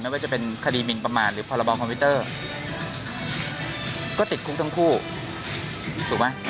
ไม่ว่าจะเป็นคดีหมินประมาทหรือพรบคอมพิวเตอร์ก็ติดคุกทั้งคู่ถูกไหม